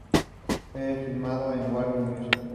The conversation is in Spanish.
Está firmado a Warner Music.